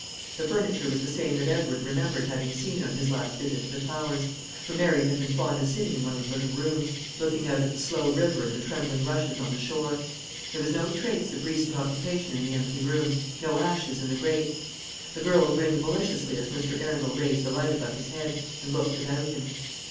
The furniture was the same that Edward remembered having seen on his last visit to the Towers; for Mary had been fond of sitting in one of the little rooms, looking out at the slow river and the trembling rushes on the shore. There was no trace of recent occupation in the empty rooms, no ashes in the grates. The girl grinned maliciously as Mr. Arundel raised the light above his head, and looked about him.